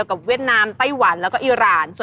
ก็เป็นหน้าตาเวิร์ลคลาสด้วย